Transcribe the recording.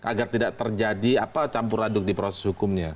agar tidak terjadi campur aduk di proses hukumnya